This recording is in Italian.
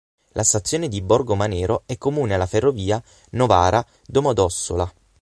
La stazione di Borgomanero è comune alla ferrovia Novara-Domodossola.